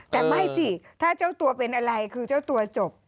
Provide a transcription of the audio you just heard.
แต่ไม่สิถ้าเจ้าตัวเป็นอะไรคือเจ้าตัวจบ